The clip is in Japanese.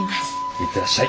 行ってらっしゃい。